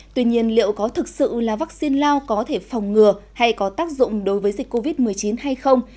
tuy nhiên liệu có thực sự là vaccine lao có thể phòng ngừa hay có tác dụng đối với dịch covid một mươi chín hay không